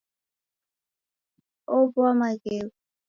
Ow'oa maghegho.